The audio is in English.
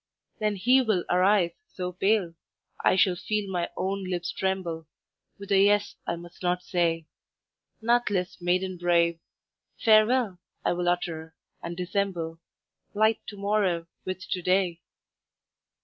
"Then he will arise so pale, I shall feel my own lips tremble With a yes I must not say, Nathless maiden brave, 'Farewell,' I will utter, and dissemble 'Light to morrow with to day.'